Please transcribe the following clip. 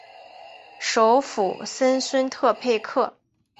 首府森孙特佩克。